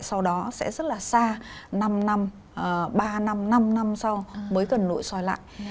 sau đó sẽ rất là xa năm năm ba năm năm năm sau mới cần nội soi lại